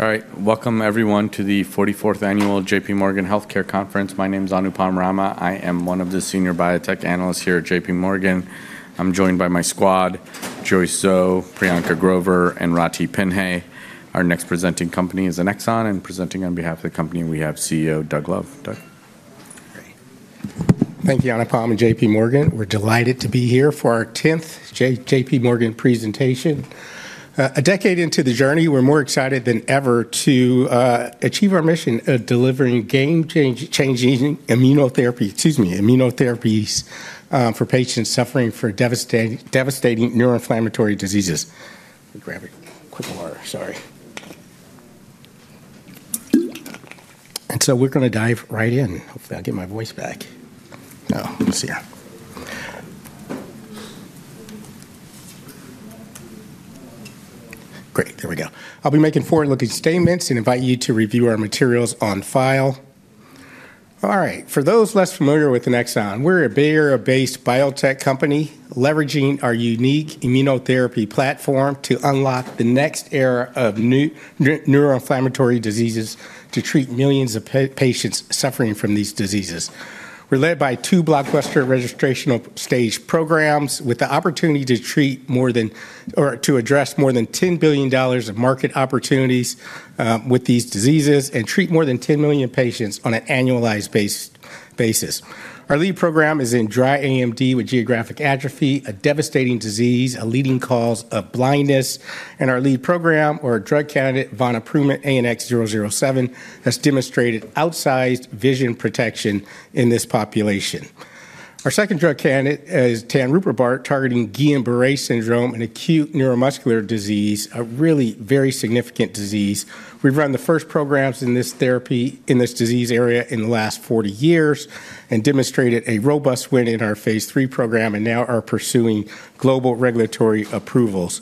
All right, welcome everyone to the 44th Annual J.P.Morgan Healthcare Conference. My name is Anupam Rama. I am one of the Senior Biotech Analysts here at J.P.Morgan. I'm joined by my squad: Joyce Zhou, Priyanka Grover, and Ratih Pinhey. Our next presenting company is Annexon and presenting on behalf of the company, we have CEO Doug Love. Doug. Thank you, Anupam and J.P. Morgan. We're delighted to be here for our 10th J.P. Morgan presentation. A decade into the journey, we're more excited than ever to achieve our mission of delivering game-changing immunotherapy for patients suffering from devastating neuroinflammatory diseases. Grab a quick water, sorry. And so we're going to dive right in. Hopefully, I'll get my voice back. Oh, let's see. Great, there we go. I'll be making forward-looking statements and invite you to review our materials on file. All right, for those less familiar with Annexon, we're a Bay Area-based biotech company leveraging our unique immunotherapy platform to unlock the next era of new neuroinflammatory diseases to treat millions of patients suffering from these diseases. We're led by two blockbuster registration stage programs with the opportunity to treat more than or to address more than $10 billion of market opportunities with these diseases and treat more than 10 million patients on an annualized basis. Our lead program is in dry AMD with geographic atrophy, a devastating disease, a leading cause of blindness, and our lead program, or drug candidate ANX007, has demonstrated outsized vision protection in this population. Our second drug candidate is ANX005 targeting Guillain-Barré syndrome, an acute neuromuscular disease, a really very significant disease. We've run the first programs in this therapy in this disease area in the last 40 years and demonstrated a robust win in our phase III program and now are pursuing global regulatory approvals.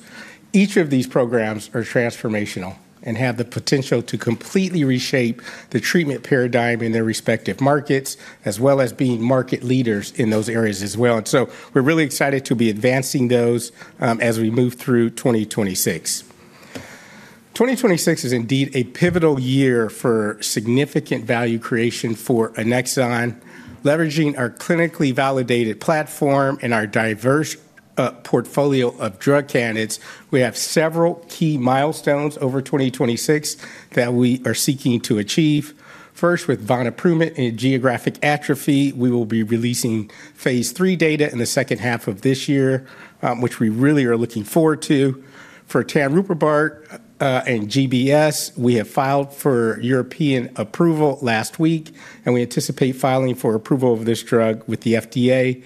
Each of these programs are transformational and have the potential to completely reshape the treatment paradigm in their respective markets, as well as being market leaders in those areas as well, and so we're really excited to be advancing those as we move through 2026. 2026 is indeed a pivotal year for significant value creation for Annexon. Leveraging our clinically validated platform and our diverse portfolio of drug candidates, we have several key milestones over 2026 that we are seeking to achieve. First, with ANX007 and geographic atrophy, we will be releasing phase III data in the second half of this year, which we really are looking forward to. For ANX005 and GBS, we have filed for European approval last week, and we anticipate filing for approval of this drug with the FDA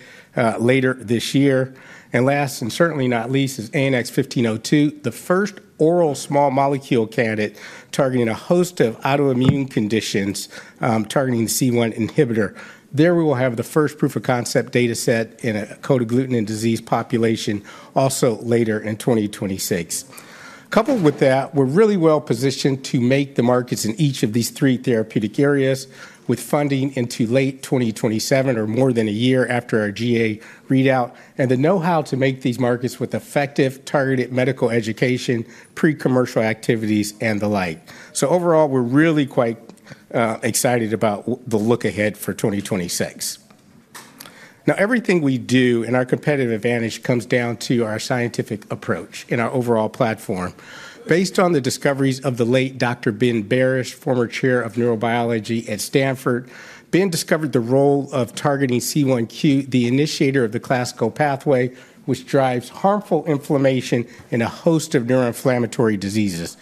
later this year. And last, and certainly not least, is ANX1502, the first oral small molecule candidate targeting a host of autoimmune conditions targeting the C1 inhibitor. There we will have the first proof of concept data set in a Cold Agglutinin Disease population also later in 2026. Coupled with that, we're really well positioned to make the markets in each of these three therapeutic areas with funding into late 2027 or more than a year after our GA readout and the know-how to make these markets with effective targeted medical education, pre-commercial activities, and the like. So overall, we're really quite excited about the look ahead for 2026. Now, everything we do and our competitive advantage comes down to our scientific approach in our overall platform. Based on the discoveries of the late Dr. Ben Barres, former chair of neurobiology at Stanford, Ben discovered the role of targeting C1q, the initiator of the classical pathway, which drives harmful inflammation in a host of neuroinflammatory diseases.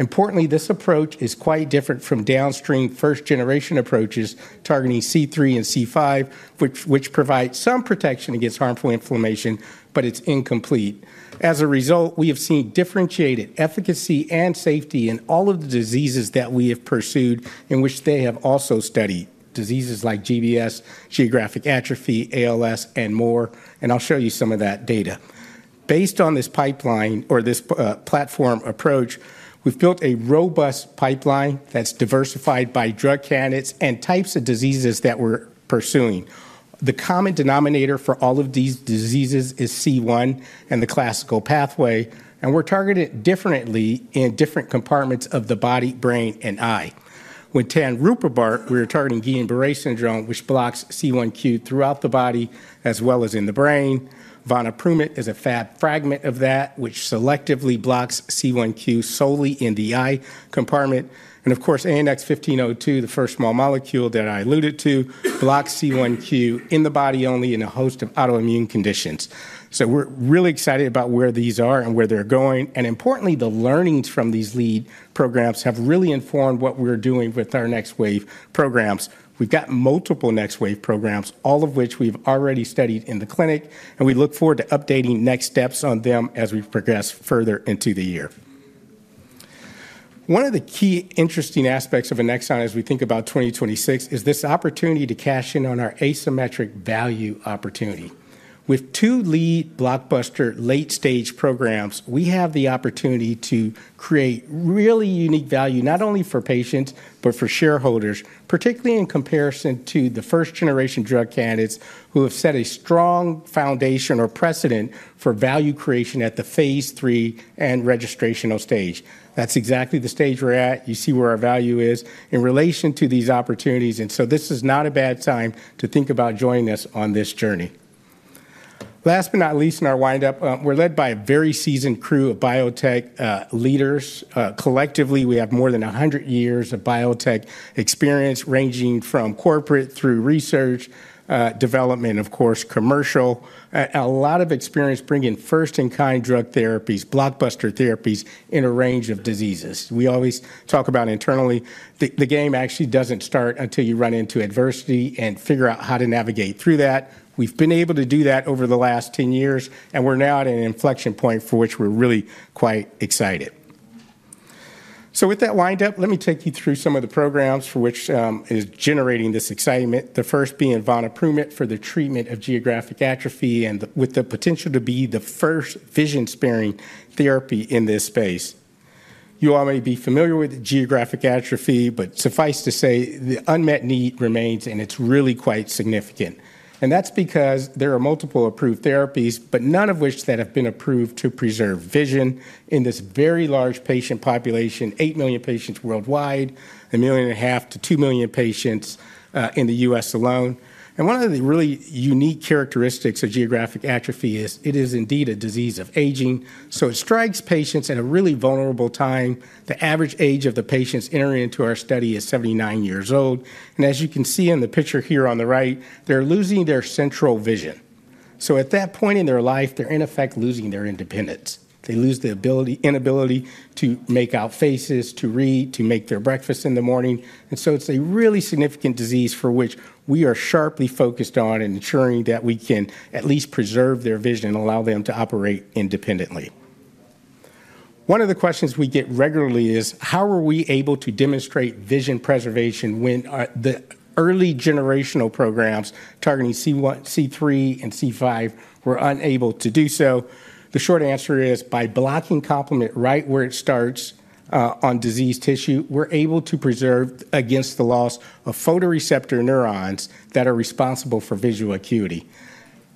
Importantly, this approach is quite different from downstream first-generation approaches targeting C3 and C5, which provide some protection against harmful inflammation, but it's incomplete. As a result, we have seen differentiated efficacy and safety in all of the diseases that we have pursued in which they have also studied diseases like GBS, geographic atrophy, ALS, and more. And I'll show you some of that data. Based on this pipeline or this platform approach, we've built a robust pipeline that's diversified by drug candidates and types of diseases that we're pursuing. The common denominator for all of these diseases is C1 and the classical pathway, and we're targeted differently in different compartments of the body, brain, and eye. With ANX005, we are targeting Guillain-Barré syndrome, which blocks C1q throughout the body as well as in the brain. ANX007 is a fragment of that, which selectively blocks C1q solely in the eye compartment. And of course, ANX1502, the first small molecule that I alluded to, blocks C1q in the body only in a host of autoimmune conditions. So we're really excited about where these are and where they're going. And importantly, the learnings from these lead programs have really informed what we're doing with our next wave programs. We've got multiple next wave programs, all of which we've already studied in the clinic, and we look forward to updating next steps on them as we progress further into the year. One of the key interesting aspects of Annexon as we think about 2026 is this opportunity to cash in on our asymmetric value opportunity. With two lead blockbuster late-stage programs, we have the opportunity to create really unique value not only for patients, but for shareholders, particularly in comparison to the first-generation drug candidates who have set a strong foundation or precedent for value creation at the phase III and registration stage. That's exactly the stage we're at. You see where our value is in relation to these opportunities. And so this is not a bad time to think about joining us on this journey. Last but not least, in our windup, we're led by a very seasoned crew of biotech leaders. Collectively, we have more than 100 years of biotech experience ranging from corporate through research, development, of course, commercial, a lot of experience bringing first-in-kind drug therapies, blockbuster therapies in a range of diseases. We always talk about internally, the game actually doesn't start until you run into adversity and figure out how to navigate through that. We've been able to do that over the last 10 years, and we're now at an inflection point for which we're really quite excited. So with that windup, let me take you through some of the programs for which it is generating this excitement, the first being ANX007 for the treatment of geographic atrophy and with the potential to be the first vision-sparing therapy in this space. You all may be familiar with geographic atrophy, but suffice to say, the unmet need remains, and it's really quite significant. And that's because there are multiple approved therapies, but none of which have been approved to preserve vision in this very large patient population, 8 million patients worldwide, a million and a half to 2 million patients in the U.S. alone. And one of the really unique characteristics of geographic atrophy is it is indeed a disease of aging. So it strikes patients at a really vulnerable time. The average age of the patients entering into our study is 79 years old. And as you can see in the picture here on the right, they're losing their central vision. So at that point in their life, they're in effect losing their independence. They lose the ability to make out faces, to read, to make their breakfast in the morning. And so it's a really significant disease for which we are sharply focused on and ensuring that we can at least preserve their vision and allow them to operate independently. One of the questions we get regularly is, how are we able to demonstrate vision preservation when the early generational programs targeting C1, C3, and C5 were unable to do so? The short answer is by blocking complement right where it starts on disease tissue, we're able to preserve against the loss of photoreceptor neurons that are responsible for visual acuity.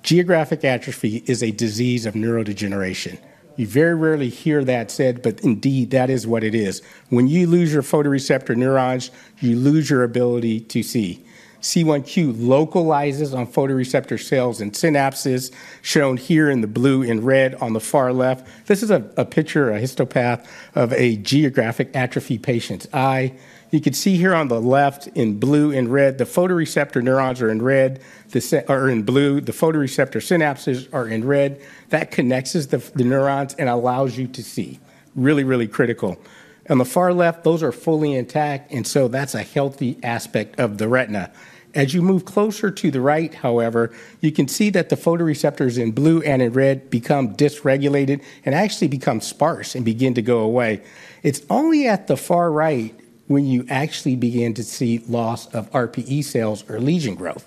geographic atrophy is a disease of neurodegeneration. You very rarely hear that said, but indeed, that is what it is. When you lose your photoreceptor neurons, you lose your ability to see. C1q localizes on photoreceptor cells and synapses shown here in the blue and red on the far left. This is a picture, a histopathology of a geographic atrophy patient's eye. You can see here on the left in blue and red, the photoreceptor neurons are in red or in blue. The photoreceptor synapses are in red. That connects the neurons and allows you to see. Really, really critical. On the far left, those are fully intact, and so that's a healthy aspect of the retina. As you move closer to the right, however, you can see that the photoreceptors in blue and in red become dysregulated and actually become sparse and begin to go away. It's only at the far right when you actually begin to see loss of RPE cells or lesion growth.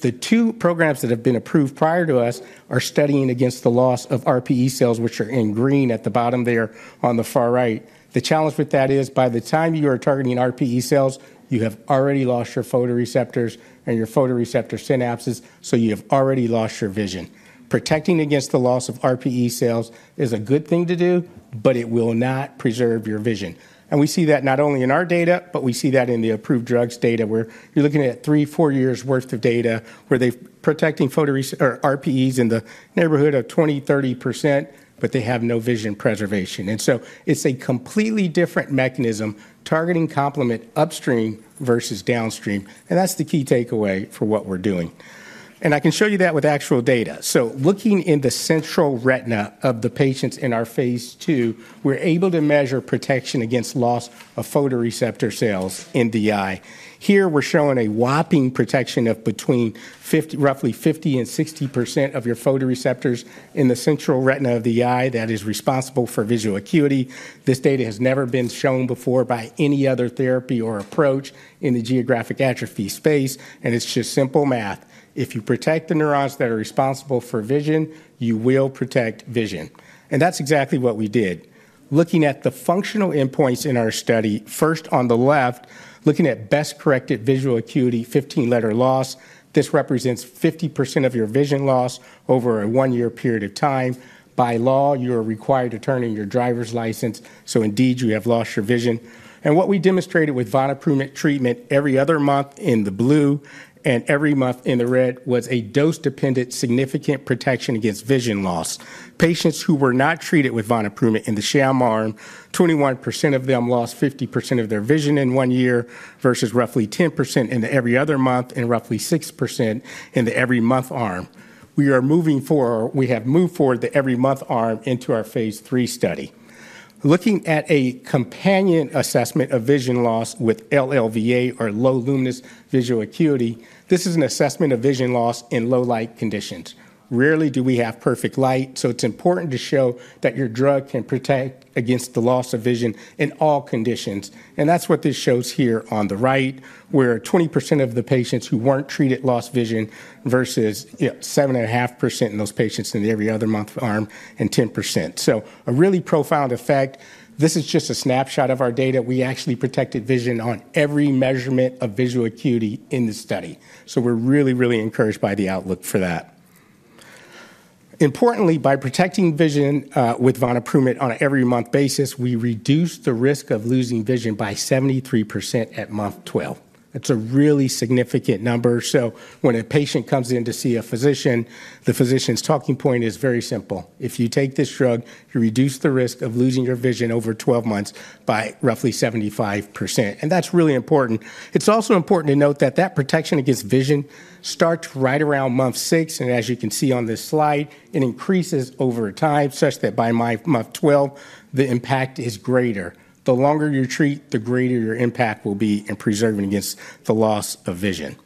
The two programs that have been approved prior to us are studying against the loss of RPE cells, which are in green at the bottom there on the far right. The challenge with that is by the time you are targeting RPE cells, you have already lost your photoreceptors and your photoreceptor synapses, so you have already lost your vision. Protecting against the loss of RPE cells is a good thing to do, but it will not preserve your vision. And we see that not only in our data, but we see that in the approved drugs data where you're looking at three, four years' worth of data where they're protecting photoreceptors or RPEs in the neighborhood of 20%-30%, but they have no vision preservation. And so it's a completely different mechanism targeting complement upstream versus downstream. And that's the key takeaway for what we're doing. And I can show you that with actual data. Looking in the central retina of the patients in our phase II, we're able to measure protection against loss of photoreceptor cells in the eye. Here we're showing a whopping protection of between roughly 50% and 60% of your photoreceptors in the central retina of the eye that is responsible for visual acuity. This data has never been shown before by any other therapy or approach in the geographic atrophy space. And it's just simple math. If you protect the neurons that are responsible for vision, you will protect vision. And that's exactly what we did. Looking at the functional endpoints in our study, first on the left, looking at best-corrected visual acuity, 15-letter loss, this represents 50% of your vision loss over a one-year period of time. By law, you are required to turn in your driver's license. So indeed, you have lost your vision. What we demonstrated with ANX007 treatment every other month in the blue and every month in the red was a dose-dependent significant protection against vision loss. Patients who were not treated with ANX007 in the sham arm, 21% of them lost 50% of their vision in one year versus roughly 10% in every other month and roughly 6% in the every month arm. We are moving forward. We have moved forward the every month arm into our phase III study. Looking at a companion assessment of vision loss with LLVA or low luminance visual acuity, this is an assessment of vision loss in low light conditions. Rarely do we have perfect light, so it's important to show that your drug can protect against the loss of vision in all conditions. And that's what this shows here on the right, where 20% of the patients who weren't treated lost vision versus 7.5% in those patients in the every other month arm and 10%. So a really profound effect. This is just a snapshot of our data. We actually protected vision on every measurement of visual acuity in the study. So we're really, really encouraged by the outlook for that. Importantly, by protecting vision with ANX007 on an every month basis, we reduced the risk of losing vision by 73% at month 12. That's a really significant number. So when a patient comes in to see a physician, the physician's talking point is very simple. If you take this drug, you reduce the risk of losing your vision over 12 months by roughly 75%. And that's really important. It's also important to note that that protection against vision starts right around month six. And as you can see on this slide, it increases over time such that by month 12, the impact is greater. The longer you treat, the greater your impact will be in preserving against the loss of vision.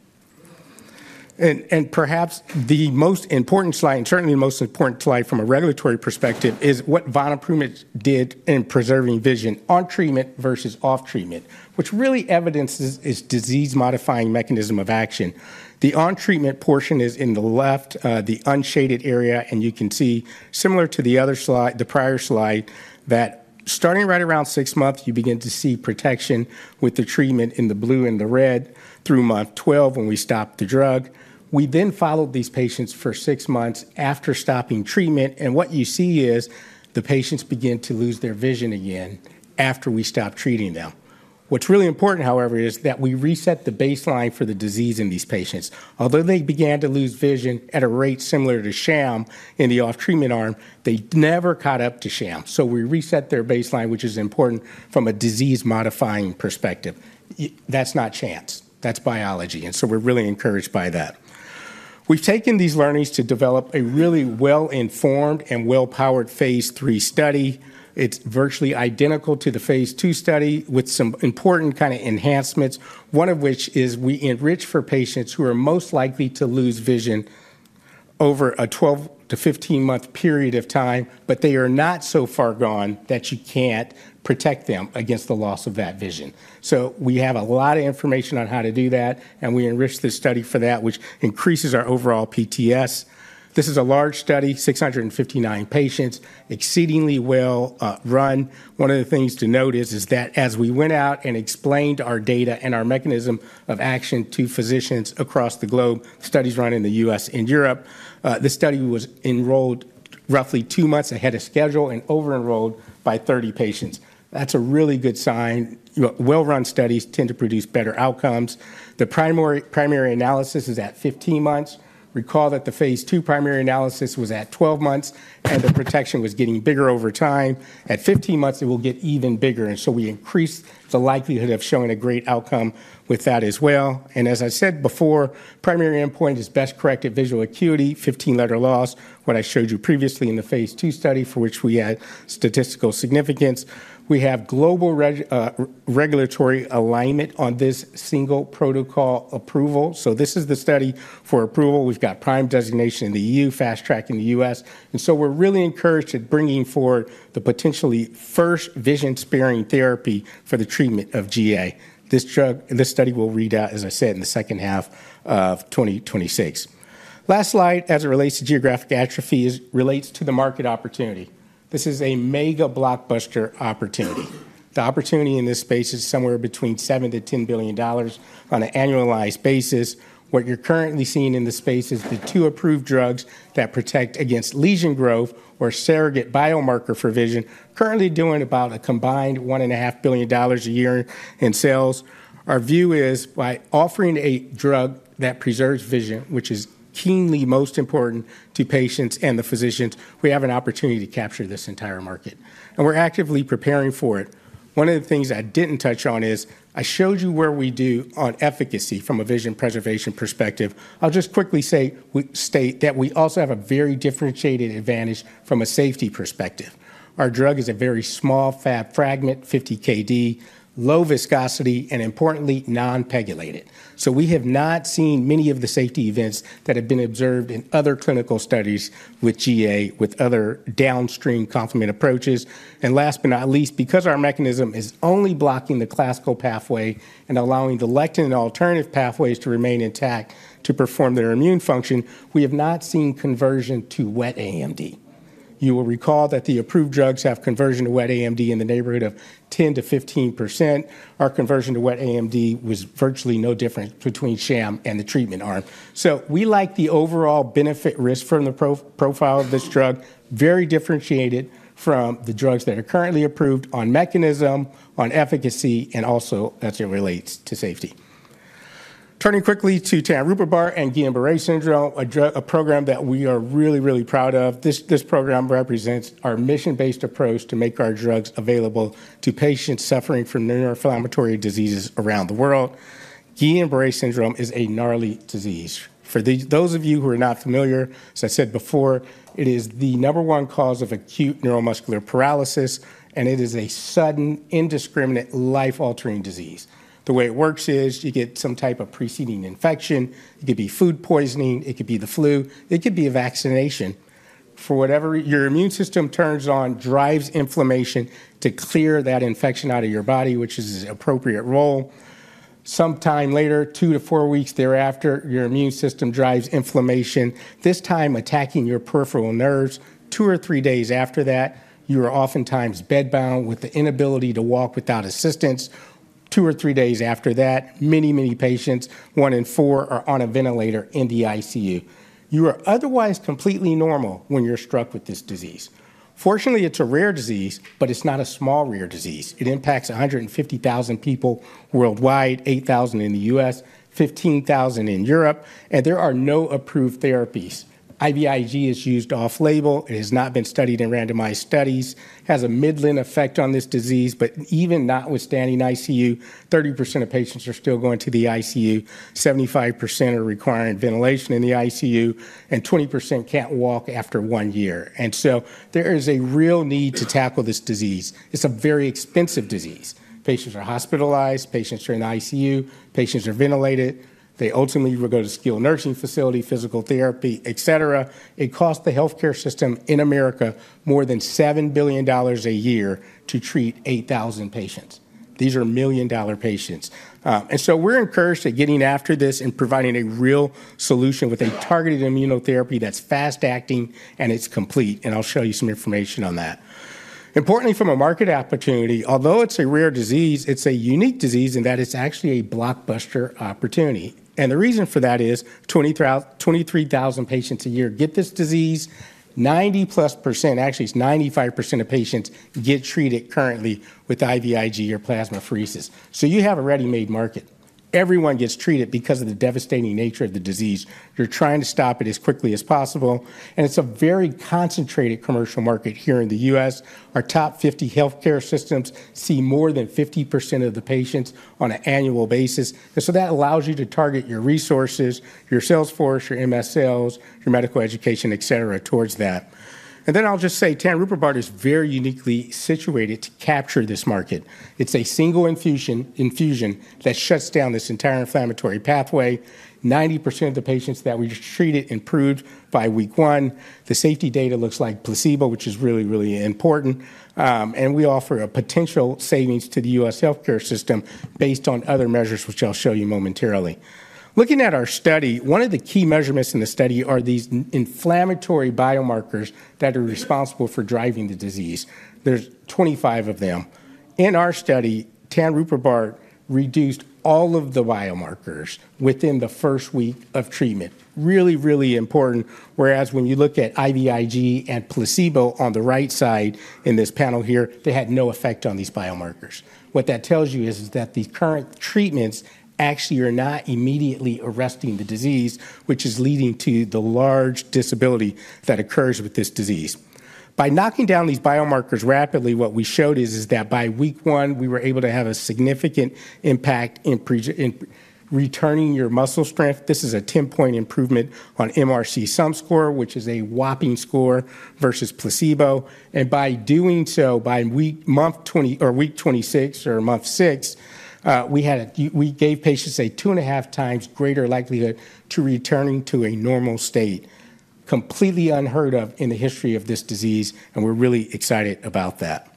And perhaps the most important slide, and certainly the most important slide from a regulatory perspective, is what ANX007 did in preserving vision on treatment versus off treatment, which really evidences its disease-modifying mechanism of action. The on-treatment portion is in the left, the unshaded area. And you can see, similar to the other slide, the prior slide, that starting right around six months, you begin to see protection with the treatment in the blue and the red through month 12 when we stopped the drug. We then followed these patients for six months after stopping treatment. And what you see is the patients begin to lose their vision again after we stopped treating them. What's really important, however, is that we reset the baseline for the disease in these patients. Although they began to lose vision at a rate similar to sham in the off-treatment arm, they never caught up to sham. So we reset their baseline, which is important from a disease-modifying perspective. That's not chance. That's biology. And so we're really encouraged by that. We've taken these learnings to develop a really well-informed and well-powered phase III study. It's virtually identical to the phase II study with some important kind of enhancements, one of which is we enrich for patients who are most likely to lose vision over a 12- to 15-month period of time, but they are not so far gone that you can't protect them against the loss of that vision. So we have a lot of information on how to do that, and we enriched this study for that, which increases our overall PTS. This is a large study, 659 patients, exceedingly well-run. One of the things to note is that as we went out and explained our data and our mechanism of action to physicians across the globe, studies run in the U.S. and Europe, the study was enrolled roughly two months ahead of schedule and over-enrolled by 30 patients. That's a really good sign. Well-run studies tend to produce better outcomes. The primary analysis is at 15 months. Recall that the phase II primary analysis was at 12 months, and the protection was getting bigger over time. At 15 months, it will get even bigger, and as I said before, primary endpoint is best-corrected visual acuity, 15-letter loss, what I showed you previously in the phase II study for which we had statistical significance. We have global regulatory alignment on this single protocol approval, so this is the study for approval. We've got PRIME designation in the E.U., fast track in the U.S., and so we're really encouraged at bringing forward the potentially first vision-sparing therapy for the treatment of GA. This study will read out, as I said, in the second half of 2026. Last slide, as it relates to geographic atrophy, relates to the market opportunity. This is a mega blockbuster opportunity. The opportunity in this space is somewhere between $7-$10 billion on an annualized basis. What you're currently seeing in the space is the two approved drugs that protect against lesion growth or surrogate biomarker for vision, currently doing about a combined $1.5 billion a year in sales. Our view is by offering a drug that preserves vision, which is keenly most important to patients and the physicians, we have an opportunity to capture this entire market. And we're actively preparing for it. One of the things I didn't touch on is I showed you where we do on efficacy from a vision preservation perspective. I'll just quickly state that we also have a very differentiated advantage from a safety perspective. Our drug is a very small fragment, 50 KD, low viscosity, and importantly, non-peylated. So we have not seen many of the safety events that have been observed in other clinical studies with GA, with other downstream complement approaches. And last but not least, because our mechanism is only blocking the classical pathway and allowing the lectin and alternative pathways to remain intact to perform their immune function, we have not seen conversion to wet AMD. You will recall that the approved drugs have conversion to wet AMD in the neighborhood of 10%-15%. Our conversion to wet AMD was virtually no different between sham and the treatment arm. So we like the overall benefit-risk from the profile of this drug, very differentiated from the drugs that are currently approved on mechanism, on efficacy, and also as it relates to safety. Turning quickly to ANX005 and Guillain-Barré syndrome, a program that we are really, really proud of. This program represents our mission-based approach to make our drugs available to patients suffering from neuroinflammatory diseases around the world. Guillain-Barré syndrome is a gnarly disease. For those of you who are not familiar, as I said before, it is the number one cause of acute neuromuscular paralysis, and it is a sudden, indiscriminate, life-altering disease. The way it works is you get some type of preceding infection. It could be food poisoning. It could be the flu. It could be a vaccination. For whatever your immune system turns on, drives inflammation to clear that infection out of your body, which is its appropriate role. Sometime later, two to four weeks thereafter, your immune system drives inflammation, this time attacking your peripheral nerves. Two or three days after that, you are oftentimes bedbound with the inability to walk without assistance. Two or three days after that, many, many patients, one in four, are on a ventilator in the ICU. You are otherwise completely normal when you are struck with this disease. Fortunately, it is a rare disease, but it is not a small rare disease. It impacts 150,000 people worldwide, 8,000 in the US, 15,000 in Europe, and there are no approved therapies. IVIG is used off-label. It has not been studied in randomized studies. It has a modest effect on this disease, but even with IVIG, 30% of patients are still going to the ICU, 75% are requiring ventilation in the ICU, and 20% cannot walk after one year. And so there is a real need to tackle this disease. It is a very expensive disease. Patients are hospitalized. Patients are in ICU. Patients are ventilated. They ultimately will go to skilled nursing facility, physical therapy, etc. It costs the healthcare system in America more than $7 billion a year to treat 8,000 patients. These are million-dollar patients. And so we're encouraged at getting after this and providing a real solution with a targeted immunotherapy that's fast-acting and it's complete. And I'll show you some information on that. Importantly, from a market opportunity, although it's a rare disease, it's a unique disease in that it's actually a blockbuster opportunity. And the reason for that is 23,000 patients a year get this disease. 90-plus %, actually it's 95% of patients get treated currently with IVIG or plasmapheresis. So you have a ready-made market. Everyone gets treated because of the devastating nature of the disease. You're trying to stop it as quickly as possible. And it's a very concentrated commercial market here in the U.S. Our top 50 healthcare systems see more than 50% of the patients on an annual basis. And so that allows you to target your resources, your sales force, your MSLs, your medical education, etc., towards that. And then I'll just say ANX005 is very uniquely situated to capture this market. It's a single infusion that shuts down this entire inflammatory pathway. 90% of the patients that we treated improved by week one. The safety data looks like placebo, which is really, really important. And we offer a potential savings to the U.S. healthcare system based on other measures, which I'll show you momentarily. Looking at our study, one of the key measurements in the study are these inflammatory biomarkers that are responsible for driving the disease. There's 25 of them. In our study, ANX005 reduced all of the biomarkers within the first week of treatment. Really, really important. Whereas when you look at IVIG and placebo on the right side in this panel here, they had no effect on these biomarkers. What that tells you is that the current treatments actually are not immediately arresting the disease, which is leading to the large disability that occurs with this disease. By knocking down these biomarkers rapidly, what we showed is that by week one, we were able to have a significant impact in returning your muscle strength. This is a 10-point improvement on MRC sum score, which is a whopping score versus placebo, and by doing so, by week 26 or month six, we gave patients a two and a half times greater likelihood to returning to a normal state, completely unheard of in the history of this disease, and we're really excited about that.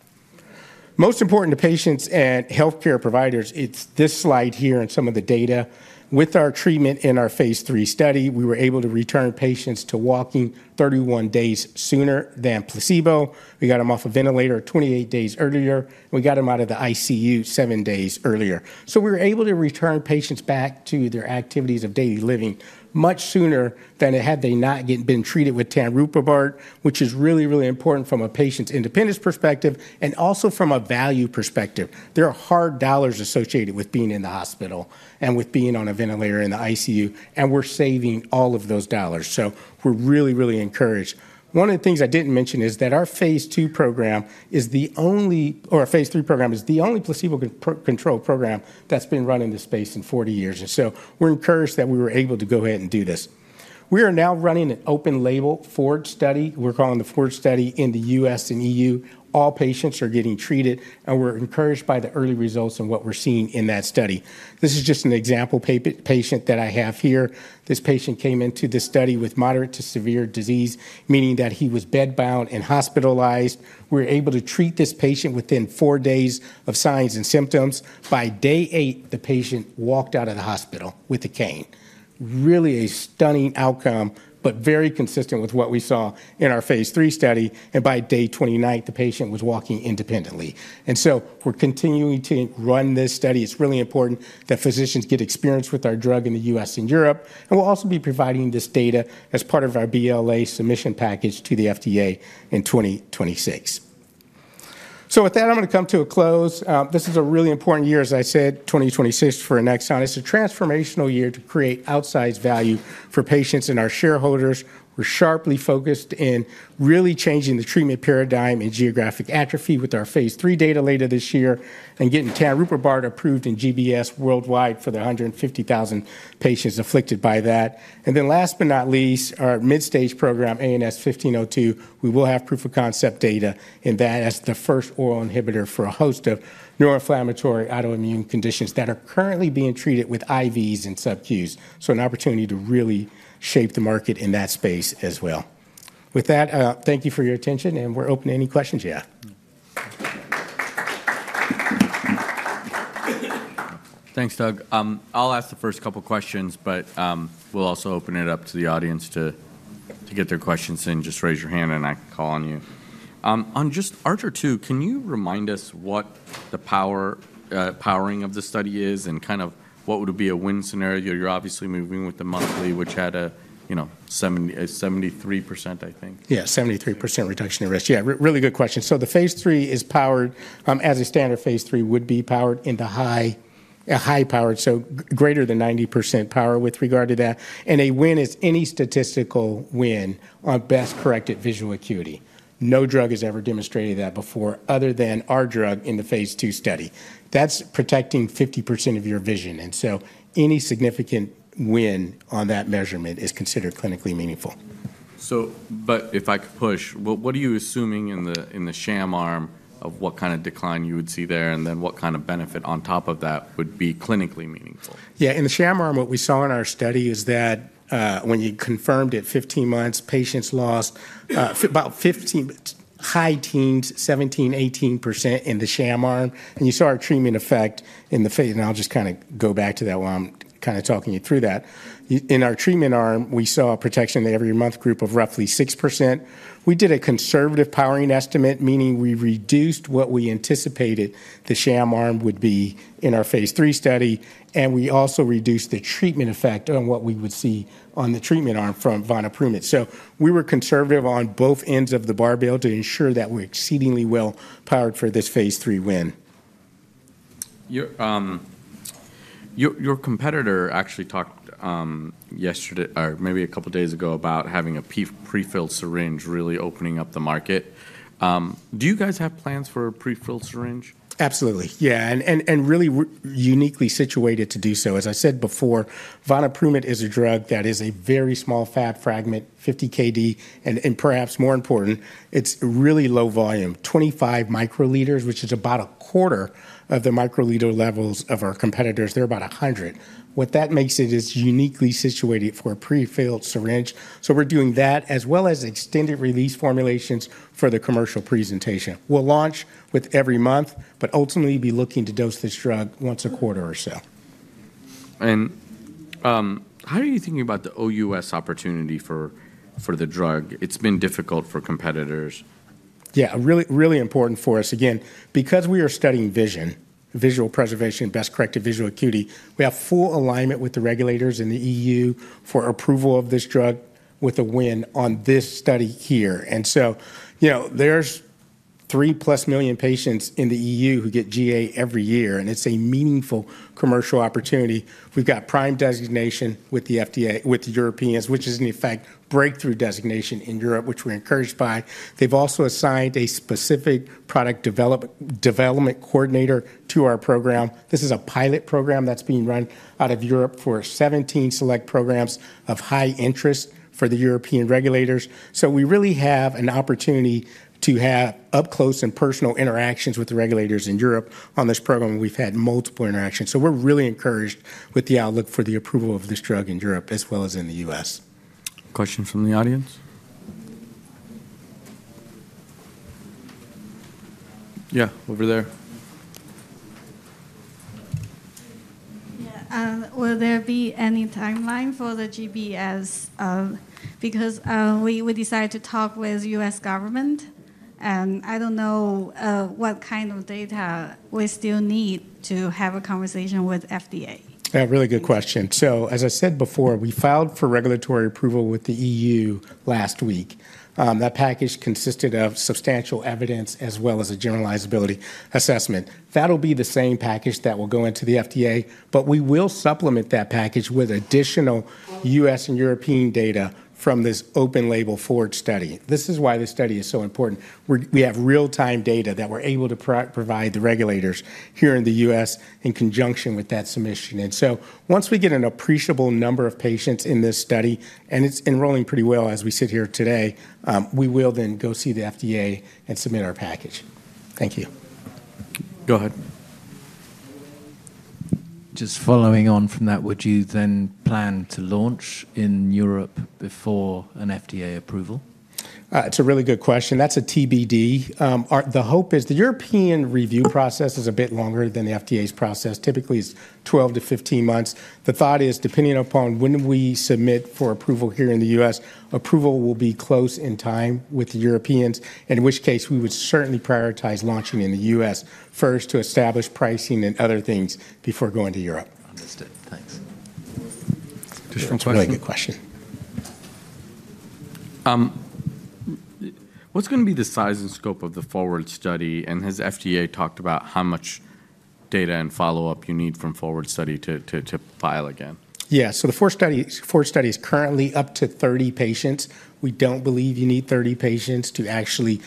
Most important to patients and healthcare providers, it's this slide here and some of the data. With our treatment in our phase III study, we were able to return patients to walking 31 days sooner than placebo. We got them off a ventilator 28 days earlier. We got them out of the ICU seven days earlier. So we were able to return patients back to their activities of daily living much sooner than had they not been treated with ANX005, which is really, really important from a patient's independence perspective and also from a value perspective. There are hard dollars associated with being in the hospital and with being on a ventilator in the ICU, and we're saving all of those dollars. So we're really, really encouraged. One of the things I didn't mention is that our phase II program is the only, or our phase III program is the only placebo-controlled program that's been run in this space in 40 years. And so we're encouraged that we were able to go ahead and do this. We are now running an open-label FORWARD study. We're calling the FORWARD study in the U.S. and EU. All patients are getting treated, and we're encouraged by the early results and what we're seeing in that study. This is just an example patient that I have here. This patient came into the study with moderate to severe disease, meaning that he was bedbound and hospitalized. We were able to treat this patient within four days of signs and symptoms. By day eight, the patient walked out of the hospital with a cane. Really a stunning outcome, but very consistent with what we saw in our phase III study. And by day 29, the patient was walking independently. And so we're continuing to run this study. It's really important that physicians get experience with our drug in the U.S. and Europe. And we'll also be providing this data as part of our BLA submission package to the FDA in 2026. So with that, I'm going to come to a close. This is a really important year, as I said, 2026 for Annexon. It's a transformational year to create outsized value for patients and our shareholders. We're sharply focused in really changing the treatment paradigm and geographic atrophy with our phase III data later this year and getting ANX005 approved in GBS worldwide for the 150,000 patients afflicted by that. And then last but not least, our mid-stage program, ANX1502, we will have proof of concept data in that as the first oral inhibitor for a host of neuroinflammatory autoimmune conditions that are currently being treated with IVs and subqs. So an opportunity to really shape the market in that space as well. With that, thank you for your attention, and we're open to any questions, yeah. Thanks, Doug. I'll ask the first couple of questions, but we'll also open it up to the audience to get their questions in. Just raise your hand and I can call on you. On just ARCHER II, can you remind us what the powering of the study is and kind of what would be a win scenario? You're obviously moving with the monthly, which had a 73%, I think. Yeah, 73% reduction of risk. Yeah, really good question. The phase III is powered, as a standard phase III would be powered to a high power, so greater than 90% power with regard to that. A win is any statistical win on best corrected visual acuity. No drug has ever demonstrated that before other than our drug in the phase II study. That's protecting 50% of your vision. Any significant win on that measurement is considered clinically meaningful. But if I could push, what are you assuming in the sham arm of what kind of decline you would see there and then what kind of benefit on top of that would be clinically meaningful? Yeah, in the sham arm, what we saw in our study is that when you confirmed at 15 months, patients lost about 15%, high teens, 17-18% in the sham arm. You saw our treatment effect in the phase, and I'll just kind of go back to that while I'm kind of talking you through that. In our treatment arm, we saw a protection every month group of roughly 6%. We did a conservative powering estimate, meaning we reduced what we anticipated the sham arm would be in our phase III study, and we also reduced the treatment effect on what we would see on the treatment arm from ANX007. So we were conservative on both ends of the barbell to ensure that we're exceedingly well powered for this phase III win. Your competitor actually talked yesterday or maybe a couple of days ago about having a prefilled syringe really opening up the market. Do you guys have plans for a prefilled syringe? Absolutely. Yeah. And really uniquely situated to do so. As I said before, ANX007 is a drug that is a very small Fab fragment, 50 KD, and perhaps more important, it's really low volume, 25 microliters, which is about a quarter of the microliter levels of our competitors. They're about 100. What that makes it is uniquely situated for a prefilled syringe. So we're doing that as well as extended release formulations for the commercial presentation. We'll launch with every month, but ultimately be looking to dose this drug once a quarter or so. And how are you thinking about the OUS opportunity for the drug? It's been difficult for competitors. Yeah, really, really important for us. Again, because we are studying vision, visual preservation, best-corrected visual acuity, we have full alignment with the regulators in the EU for approval of this drug with a win on this study here. And so there's three plus million patients in the EU who get GA every year, and it's a meaningful commercial opportunity. We've got prime designation with the FDA, with the Europeans, which is in effect breakthrough designation in Europe, which we're encouraged by. They've also assigned a specific product development coordinator to our program. This is a pilot program that's being run out of Europe for 17 select programs of high interest for the European regulators. So we really have an opportunity to have up close and personal interactions with the regulators in Europe on this program. We've had multiple interactions. So we're really encouraged with the outlook for the approval of this drug in Europe as well as in the U.S. Questions from the audience? Yeah, over there. Yeah. Will there be any timeline for the GBS? Because we decided to talk with the U.S. government, and I don't know what kind of data we still need to have a conversation with the FDA. Yeah, really good question, so as I said before, we filed for regulatory approval with the E.U. last week. That package consisted of substantial evidence as well as a generalizability assessment. That'll be the same package that will go into the FDA, but we will supplement that package with additional U.S. and European data from this open-label FORWARD study. This is why this study is so important. We have real-time data that we're able to provide the regulators here in the U.S. in conjunction with that submission, and so once we get an appreciable number of patients in this study, and it's enrolling pretty well as we sit here today, we will then go see the FDA and submit our package. Thank you. Go ahead. Just following on from that, would you then plan to launch in Europe before an FDA approval? It's a really good question. That's a TBD. The hope is the European review process is a bit longer than the FDA's process. Typically, it's 12 to 15 months. The thought is, depending upon when we submit for approval here in the U.S., approval will be close in time with the Europeans, in which case we would certainly prioritize launching in the U.S. first to establish pricing and other things before going to Europe. Understood. Thanks. Just one question. That's a really good question. What's going to be the size and scope of the FORWARD study? And has FDA talked about how much data and follow-up you need from FORWARD study to file again? Yeah. So the FORWARD study is currently up to 30 patients. We don't believe you need 30 patients to actually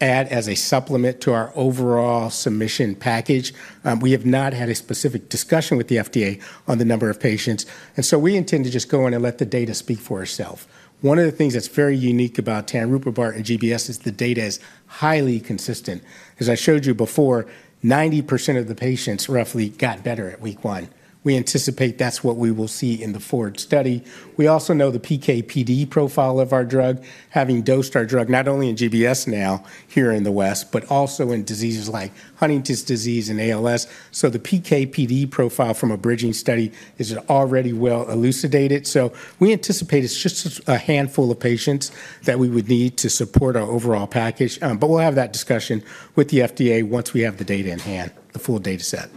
add as a supplement to our overall submission package. We have not had a specific discussion with the FDA on the number of patients, and so we intend to just go in and let the data speak for itself. One of the things that's very unique about ANX005 and GBS is the data is highly consistent. As I showed you before, 90% of the patients roughly got better at week one. We anticipate that's what we will see in the Ford study. We also know the PKPD profile of our drug, having dosed our drug not only in GBS now here in the West, but also in diseases like Huntington's disease and ALS, so the PKPD profile from a bridging study is already well elucidated. So we anticipate it's just a handful of patients that we would need to support our overall package. But we'll have that discussion with the FDA once we have the data in hand, the full data set.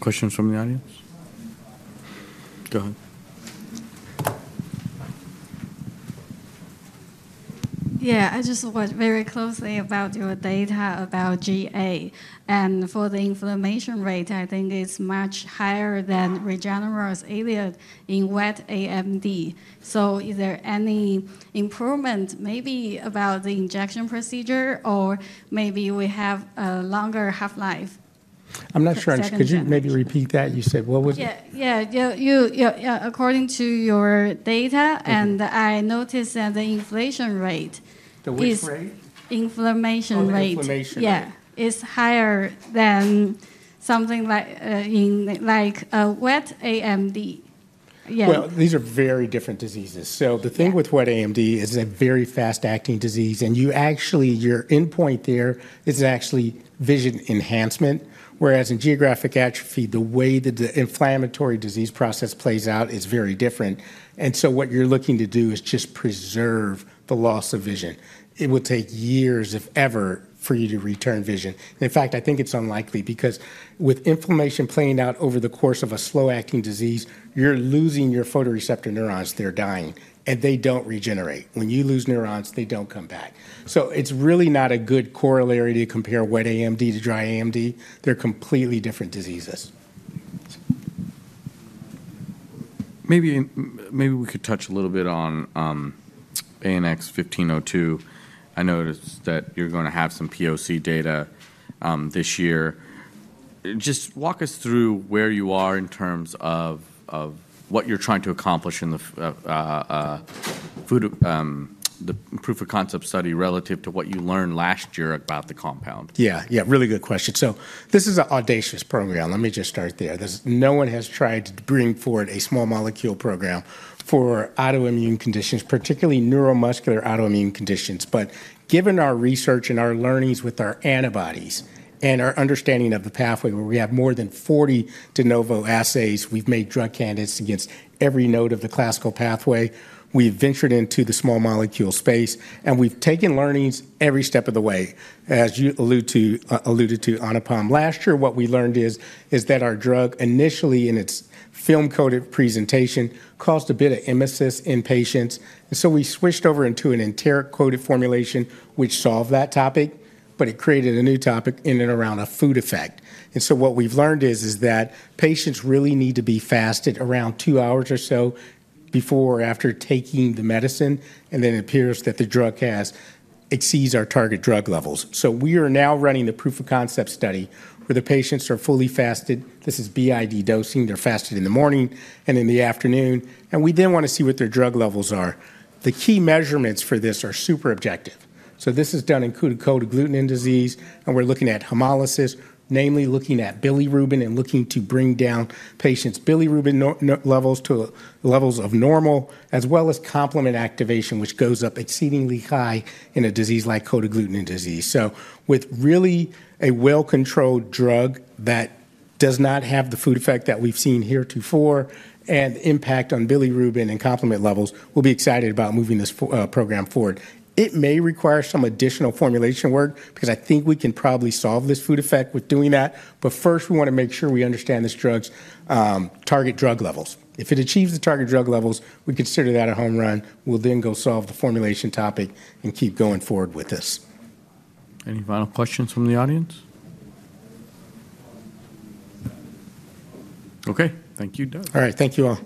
Questions from the audience? Go ahead. Yeah, I just watched very closely about your data about GA. And for the inflammation rate, I think it's much higher than Regeneron Eylea in wet AMD. So is there any improvement maybe about the injection procedure or maybe we have a longer half-life? I'm not sure. Could you maybe repeat that? You said what was it? Yeah, yeah, yeah, yeah, according to your data, and I noticed that the inflammation rate. The what rate? Inflammation rate. Inflammation. Yeah, is higher than something like in like a wet AMD. Yeah. Well, these are very different diseases. So the thing with wet AMD is a very fast-acting disease. You actually, your endpoint there is actually vision enhancement, whereas in geographic atrophy, the way that the inflammatory disease process plays out is very different. And so what you're looking to do is just preserve the loss of vision. It would take years, if ever, for you to return vision. In fact, I think it's unlikely because with inflammation playing out over the course of a slow-acting disease, you're losing your photoreceptor neurons. They're dying, and they don't regenerate. When you lose neurons, they don't come back. So it's really not a good corollary to compare wet AMD to dry AMD. They're completely different diseases. Maybe we could touch a little bit on ANX1502. I noticed that you're going to have some POC data this year. Just walk us through where you are in terms of what you're trying to accomplish in the proof of concept study relative to what you learned last year about the compound. Yeah, yeah, really good question. So this is an audacious program. Let me just start there. No one has tried to bring forward a small molecule program for autoimmune conditions, particularly neuromuscular autoimmune conditions. But given our research and our learnings with our antibodies and our understanding of the pathway where we have more than 40 de novo assays, we've made drug candidates against every node of the classical pathway. We've ventured into the small molecule space, and we've taken learnings every step of the way. As you alluded to, Anupam, last year, what we learned is that our drug initially in its film-coated presentation caused a bit of emesis in patients. And so we switched over into an enteric-coated formulation, which solved that topic, but it created a new topic in and around a food effect. And so what we've learned is that patients really need to be fasted around two hours or so before or after taking the medicine. And then it appears that the drug has exceeded our target drug levels. So we are now running the proof of concept study where the patients are fully fasted. This is BID dosing. They're fasted in the morning and in the afternoon. And we then want to see what their drug levels are. The key measurements for this are super objective. So this is done in Cold Agglutinin Disease, and we're looking at hemolysis, namely looking at bilirubin and looking to bring down patients' bilirubin levels to levels of normal, as well as complement activation, which goes up exceedingly high in a disease like Cold Agglutinin Disease. So with really a well-controlled drug that does not have the food effect that we've seen here to date and the impact on bilirubin and complement levels, we'll be excited about moving this program forward. It may require some additional formulation work because I think we can probably solve this food effect with doing that. But first, we want to make sure we understand this drug's target drug levels. If it achieves the target drug levels, we consider that a home run. We'll then go solve the formulation topic and keep going forward with this. Any final questions from the audience? Okay. Thank you, Doug. All right. Thank you all.